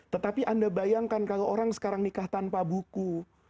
tetapi anda bayangkan kalau orang sekarang nikah tanpa buku